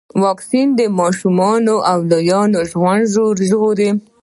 واکسین د ماشومانو او لویانو ژوند ژغوري.